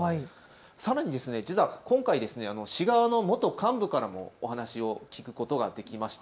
さらに実は今回、市側の元幹部からもお話を聞くことができました。